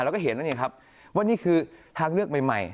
เราก็เห็นแล้วเนี่ยครับว่านี่คือทางเลือกใหม่